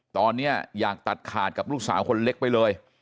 ตอนนี้อยากตัดขาดกับลูกสาวคนเล็กไปเลย